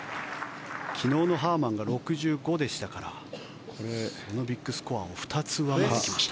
昨日のハーマンが６５でしたからそのビッグスコアを２つ上回ってきました。